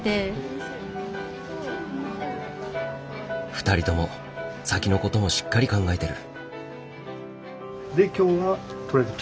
２人とも先のこともしっかり考えてる。